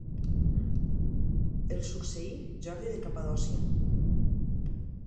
El succeí Jordi de Capadòcia.